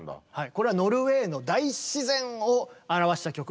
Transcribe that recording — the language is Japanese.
これはノルウェーの大自然を表した曲なので。